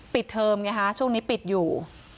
เทอมไงฮะช่วงนี้ปิดอยู่